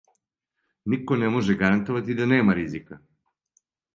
Нико не може гарантовати да нема ризика.